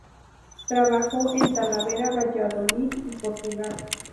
Trabajó en Talavera, Valladolid y Portugal.